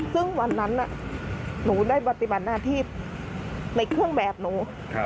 ซึ่งวันนั้นหนูได้ปฏิบัติหน้าที่ในเครื่องแบบหนู